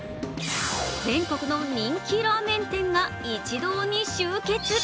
全国の人気ラーメン店が一堂に集結。